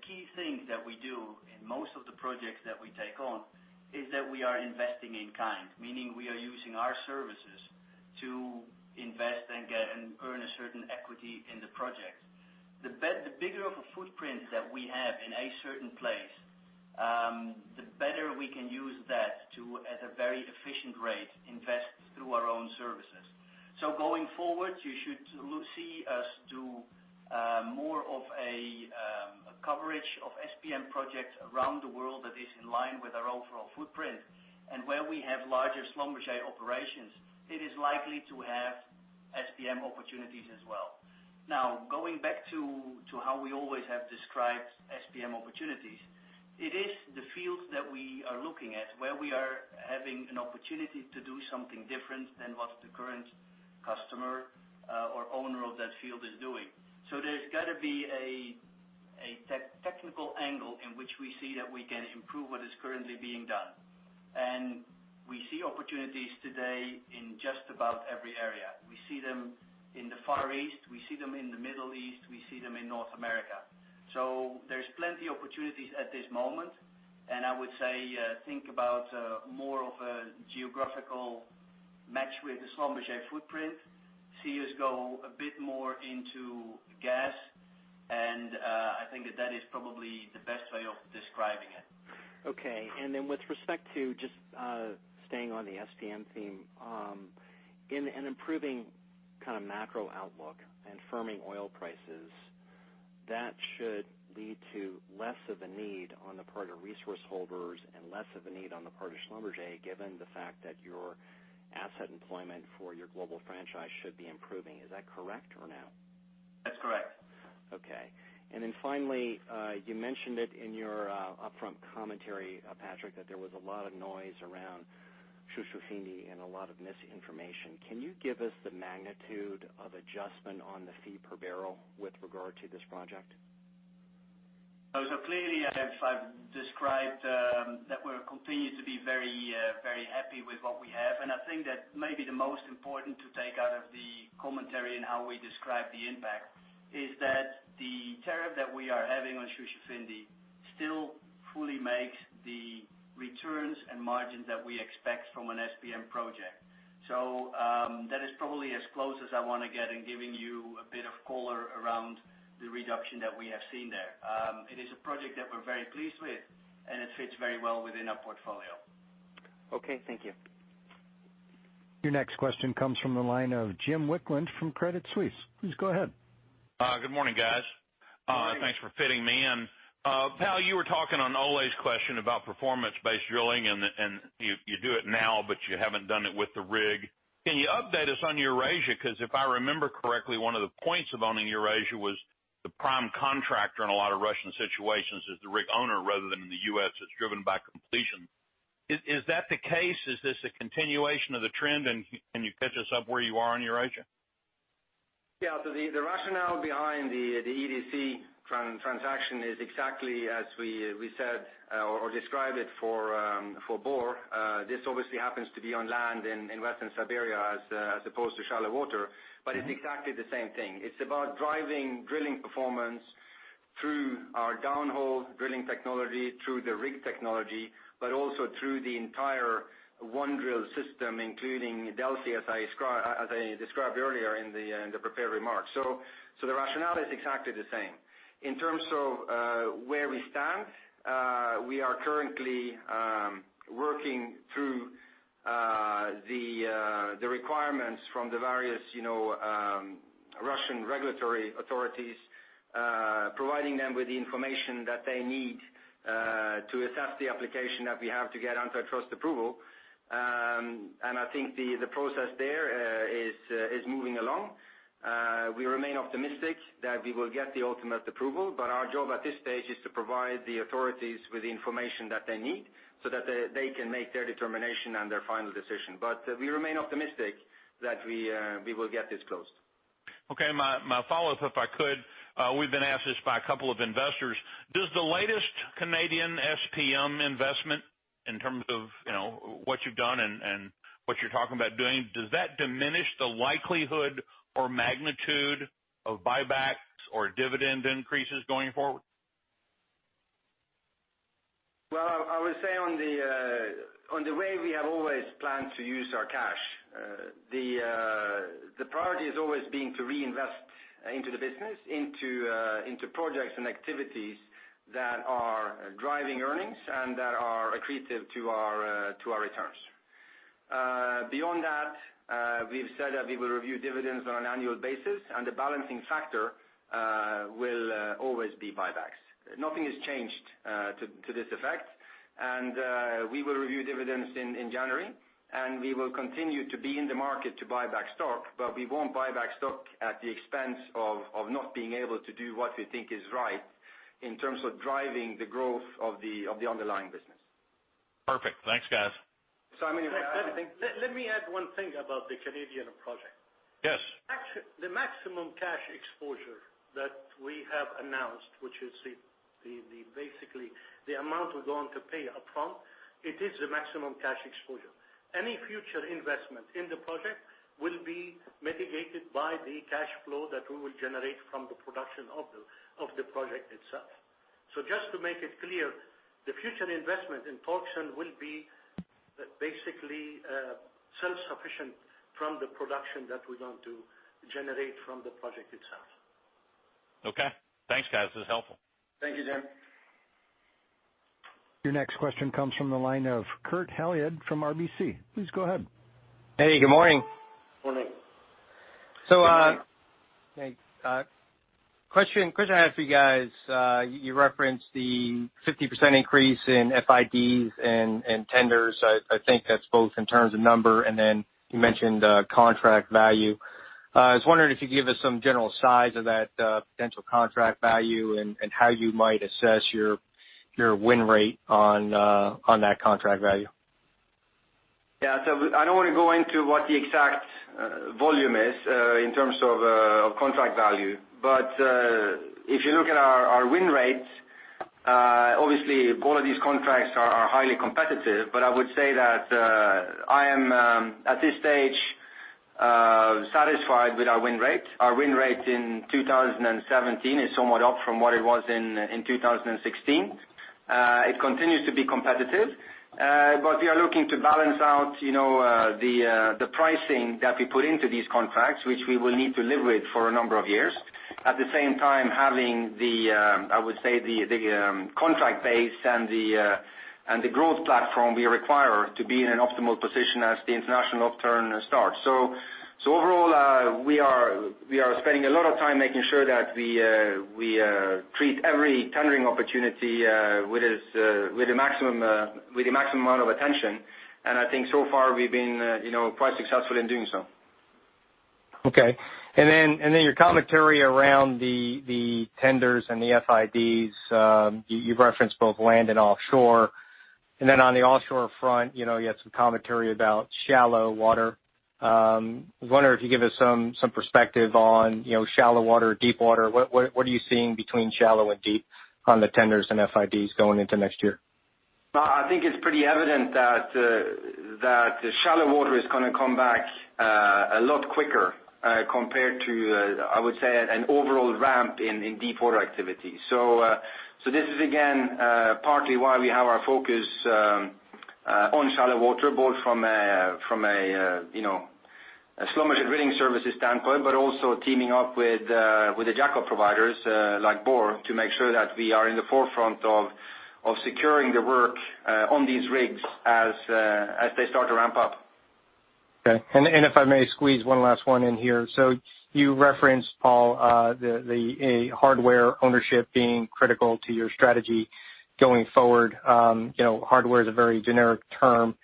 key things that we do in most of the projects that we take on is that we are investing in kind, meaning we are using our services to invest and earn a certain equity in the project. The bigger of a footprint that we have in a certain place, the better we can use that to, at a very efficient rate, invest through our own services. Going forward, you should see us do more of a coverage of SPM projects around the world that is in line with our overall footprint. Where we have larger Schlumberger operations, it is likely to have SPM opportunities as well. Now, going back to how we always have described SPM opportunities, it is the fields that we are looking at where we are having an opportunity to do something different than what the current customer or owner of that field is doing. There's got to be a technical angle in which we see that we can improve what is currently being done. We see opportunities today in just about every area. We see them in the Far East, we see them in the Middle East, we see them in North America. There's plenty opportunities at this moment, I would say, think about more of a geographical match with the Schlumberger footprint. See us go a bit more into gas, I think that that is probably the best way of describing it. Okay. With respect to just staying on the SPM theme. In an improving macro outlook and firming oil prices, that should lead to less of a need on the part of resource holders and less of a need on the part of Schlumberger, given the fact that your asset employment for your global franchise should be improving. Is that correct or no? That's correct. Okay. Finally, you mentioned it in your upfront commentary, Patrick, that there was a lot of noise around Shushufindi and a lot of misinformation. Can you give us the magnitude of adjustment on the fee per barrel with regard to this project? Clearly I've described that we're continuing to be very happy with what we have, and I think that maybe the most important to take out of the commentary in how we describe the impact is that the tariff that we are having on Shushufindi still fully makes the returns and margins that we expect from an SPM project. That is probably as close as I want to get in giving you a bit of color around the reduction that we have seen there. It is a project that we're very pleased with, and it fits very well within our portfolio. Okay. Thank you. Your next question comes from the line of Jim Wicklund from Credit Suisse. Please go ahead. Good morning, guys. Morning. Thanks for fitting me in. Paal, you were talking on Ole's question about performance-based drilling, and you do it now, but you haven't done it with the rig. Can you update us on Eurasia? Because if I remember correctly, one of the points of owning Eurasia was the prime contractor in a lot of Russian situations is the rig owner rather than in the U.S., it's driven by completion. Is that the case? Is this a continuation of the trend? Can you catch us up where you are on Eurasia? The rationale behind the EDC transaction is exactly as we said or described it for Borr. This obviously happens to be on land in Western Siberia as opposed to shallow water, but it's exactly the same thing. It's about driving drilling performance through our downhole drilling technology, through the rig technology, but also through the entire OneDrill system, including DELFI, as I described earlier in the prepared remarks. The rationale is exactly the same. In terms of where we stand, we are currently working through the requirements from the various Russian regulatory authorities, providing them with the information that they need to assess the application that we have to get antitrust approval. I think the process there is moving along. We remain optimistic that we will get the ultimate approval, our job at this stage is to provide the authorities with the information that they need so that they can make their determination and their final decision. We remain optimistic that we will get this closed. My follow-up, if I could. We've been asked this by a couple of investors. Does the latest Canadian SPM investment, in terms of what you've done and what you're talking about doing, does that diminish the likelihood or magnitude of buybacks or dividend increases going forward? I would say on the way we have always planned to use our cash, the priority has always been to reinvest into the business, into projects and activities that are driving earnings and that are accretive to our returns. Beyond that, we've said that we will review dividends on an annual basis, the balancing factor will always be buybacks. Nothing has changed to this effect. We will review dividends in January, we will continue to be in the market to buy back stock, we won't buy back stock at the expense of not being able to do what we think is right in terms of driving the growth of the underlying business. Perfect. Thanks, guys. Simon, Let me add one thing about the Canadian project. Yes. The maximum cash exposure that we have announced, which is basically the amount we're going to pay up front, it is the maximum cash exposure. Any future investment in the project will be mitigated by the cash flow that we will generate from the production of the project itself. Just to make it clear, the future investment in Torxen will be basically self-sufficient from the production that we're going to generate from the project itself. Okay. Thanks, guys. This is helpful. Thank you, Jim. Your next question comes from the line of Kurt Hallead from RBC. Please go ahead. Hey, good morning. Morning. Question I have for you guys, you referenced the 50% increase in FIDs and tenders. I think that's both in terms of number, and then you mentioned contract value. I was wondering if you could give us some general size of that potential contract value and how you might assess your win rate on that contract value. I don't want to go into what the exact volume is in terms of contract value. If you look at our win rates, obviously all of these contracts are highly competitive. I would say that I am, at this stage, satisfied with our win rate. Our win rate in 2017 is somewhat up from what it was in 2016. It continues to be competitive, but we are looking to balance out the pricing that we put into these contracts, which we will need to live with for a number of years. At the same time, having the, I would say, the contract base and the growth platform we require to be in an optimal position as the international upturn starts. Overall, we are spending a lot of time making sure that we treat every tendering opportunity with the maximum amount of attention. I think so far we've been quite successful in doing so. Your commentary around the tenders and the FIDs, you referenced both land and offshore. On the offshore front, you had some commentary about shallow water. I was wondering if you could give us some perspective on shallow water, deep water. What are you seeing between shallow and deep on the tenders and FIDs going into next year? I think it's pretty evident that shallow water is going to come back a lot quicker compared to, I would say, an overall ramp in deep water activity. This is again, partly why we have our focus on shallow water, both from a subsea drilling services standpoint, but also teaming up with the jackup providers like Borr to make sure that we are in the forefront of securing the work on these rigs as they start to ramp up. Okay. If I may squeeze one last one in here. You referenced, Paal, the hardware ownership being critical to your strategy going forward. Hardware is a very generic term.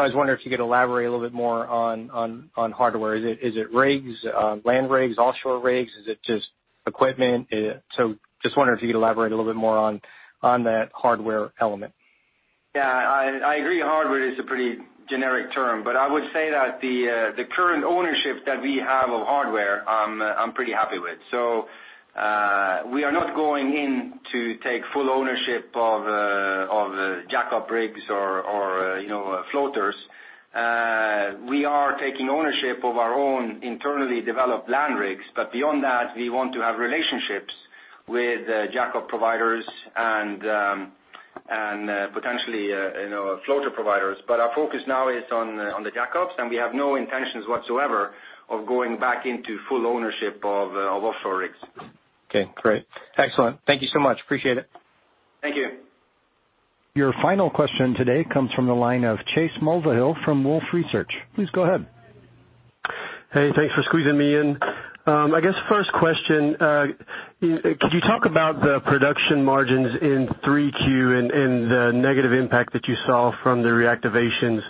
I was wondering if you could elaborate a little bit more on hardware. Is it rigs, land rigs, offshore rigs? Is it just equipment? Just wondering if you could elaborate a little bit more on that hardware element. Yeah. I agree, hardware is a pretty generic term. I would say that the current ownership that we have of hardware I'm pretty happy with. We are not going in to take full ownership of jackup rigs or floaters. We are taking ownership of our own internally developed land rigs, but beyond that, we want to have relationships with jackup providers and potentially floater providers. Our focus now is on the jackups, and we have no intentions whatsoever of going back into full ownership of offshore rigs. Okay, great. Excellent. Thank you so much. Appreciate it. Thank you. Your final question today comes from the line of Chase Mulvehill from Wolfe Research. Please go ahead. Hey, thanks for squeezing me in. I guess first question, could you talk about the production margins in three Q and the negative impact that you saw from the reactivations?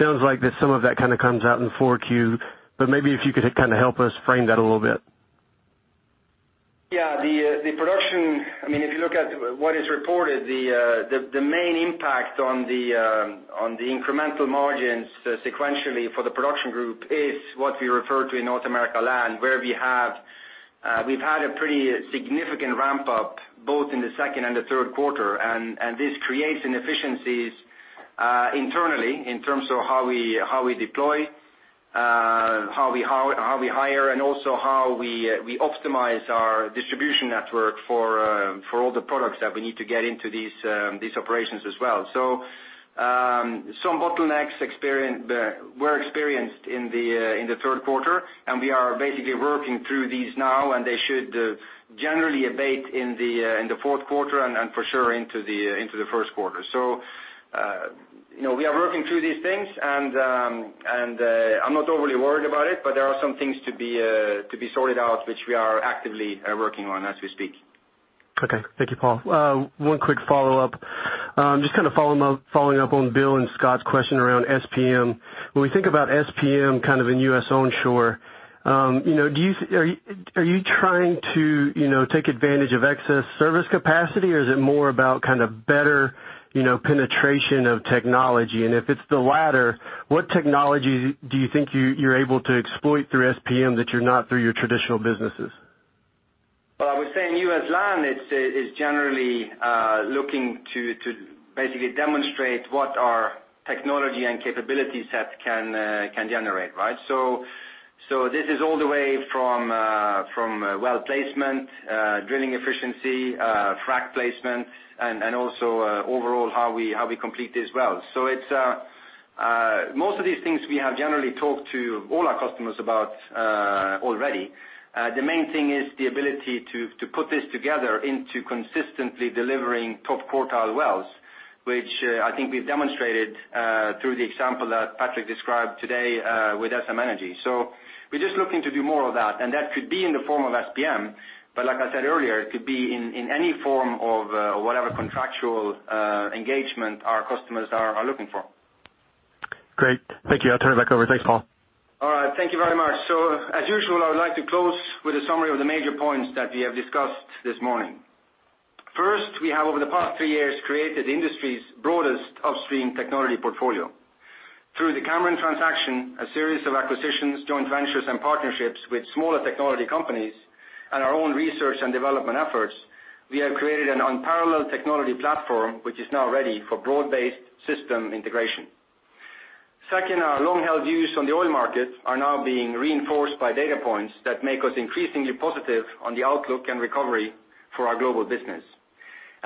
Sounds like that some of that kind of comes out in four Q, but maybe if you could kind of help us frame that a little bit. Yeah, the production, if you look at what is reported, the main impact on the incremental margins sequentially for the production group is what we refer to in North America land, where we've had a pretty significant ramp-up both in the second and the third quarter. This creates inefficiencies internally in terms of how we deploy, how we hire, and also how we optimize our distribution network for all the products that we need to get into these operations as well. Some bottlenecks were experienced in the third quarter, and we are basically working through these now, and they should generally abate in the fourth quarter and for sure into the first quarter. We are working through these things, and I'm not overly worried about it, but there are some things to be sorted out, which we are actively working on as we speak. Okay. Thank you, Paal. One quick follow-up. Just kind of following up on Bill and Scott's question around SPM. When we think about SPM kind of in U.S. onshore, are you trying to take advantage of excess service capacity, or is it more about kind of better penetration of technology? If it's the latter, what technology do you think you're able to exploit through SPM that you're not through your traditional businesses? Well, I would say in U.S. land, it's generally looking to basically demonstrate what our technology and capability set can generate, right? This is all the way from well placement, drilling efficiency, frac placement, and also overall how we complete these wells. Most of these things we have generally talked to all our customers about already. The main thing is the ability to put this together into consistently delivering top quartile wells, which I think we've demonstrated through the example that Patrick described today with SM Energy. We're just looking to do more of that, and that could be in the form of SPM, but like I said earlier, it could be in any form of whatever contractual engagement our customers are looking for. Great. Thank you. I'll turn it back over. Thanks, Paal. All right. Thank you very much. As usual, I would like to close with a summary of the major points that we have discussed this morning. First, we have over the past three years, created the industry's broadest upstream technology portfolio. Through the Cameron transaction, a series of acquisitions, joint ventures, and partnerships with smaller technology companies, and our own research and development efforts, we have created an unparalleled technology platform, which is now ready for broad-based system integration. Second, our long-held views on the oil market are now being reinforced by data points that make us increasingly positive on the outlook and recovery for our global business.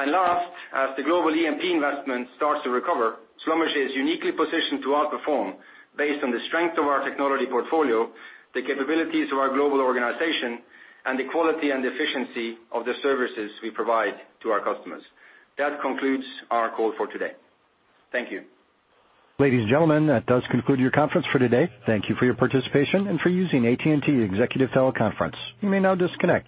last, as the global E&P investment starts to recover, Schlumberger is uniquely positioned to outperform based on the strength of our technology portfolio, the capabilities of our global organization, and the quality and efficiency of the services we provide to our customers. That concludes our call for today. Thank you. Ladies and gentlemen, that does conclude your conference for today. Thank you for your participation and for using AT&T Executive Teleconference. You may now disconnect.